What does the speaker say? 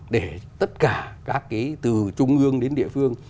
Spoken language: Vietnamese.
để tất cả các cái từ trung ương đến địa phương